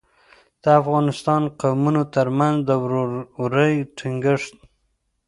د افغانستان قومونو ترمنځ د ورورۍ ټینګښت.